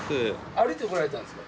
歩いて来られたんですか？